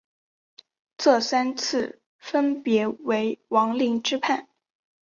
这三次分别为王凌之叛。